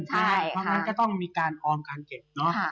เพราะงั้นก็ต้องมีการออมการเก็บเนอะ